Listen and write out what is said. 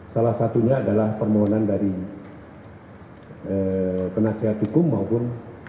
salah satunya adalah permohonan dari penasihat hukum maupun